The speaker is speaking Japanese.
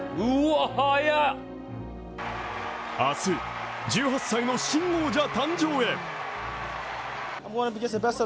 明日、１８歳の新王者誕生へ。